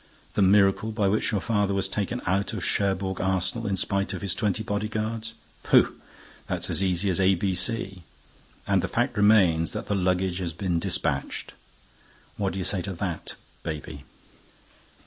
The miracle by which your father was taken out of Cherbourg Arsenal, in spite of his twenty body guards? Pooh, it's as easy as A B C! And the fact remains that the luggage has been dispatched. What do you say to that, baby?"